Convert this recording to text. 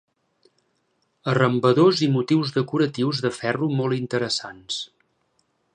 Arrambadors i motius decoratius de ferro molt interessants.